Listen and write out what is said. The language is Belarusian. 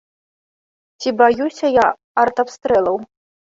Ці баюся я артабстрэлаў?